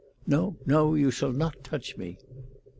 "No, no. You shall not touch me."